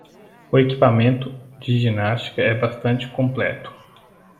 O equipamento de ginástica é bastante completo.